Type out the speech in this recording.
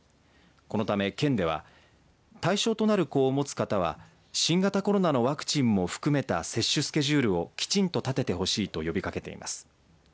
このため県では、対象となる子を持つ方は、新型コロナのワクチンも含めた接種スケジュールをきちんと立ててほしいと呼びかけています。